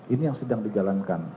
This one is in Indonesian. ini yang sedang dijalankan